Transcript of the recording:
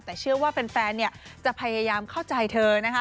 แต่เชื่อว่าแฟนเนี่ยจะพยายามเข้าใจเธอนะคะ